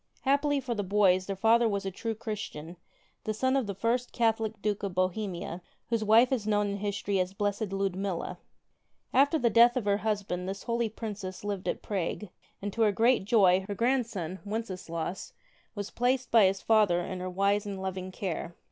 Happily for the boys, their father was a true Chris tian, the son of the first Catholic Duke of Bohemia, whose wife is known in history as the Blessed Ludmilla. After the death of her husband this holy princess lived at Prague, and, to her great joy, her grandson Wenceslaus was placed by his father in her wise and loving care.